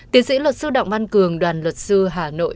tiến sĩ luật sư đặng văn cường đoàn luật sư hà nội